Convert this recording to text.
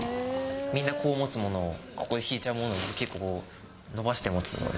みんなこう持つものを、ここで引いちゃうものを、結構伸ばして持つので。